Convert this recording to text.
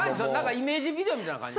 イメージビデオみたいな感じ？